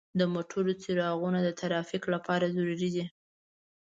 د موټرو څراغونه د ترافیک لپاره ضروري دي.